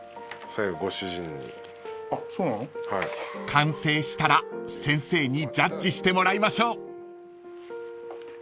［完成したら先生にジャッジしてもらいましょう］